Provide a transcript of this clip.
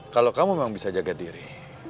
kalau kamu memang bisa jaga diri